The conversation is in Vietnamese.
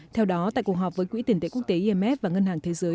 theo đó tại cuộc họp với quỹ tiền tệ quốc tế imf và ngân hàng thế giới